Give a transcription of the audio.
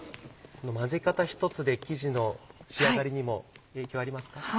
この混ぜ方ひとつで生地の仕上がりにも影響ありますか？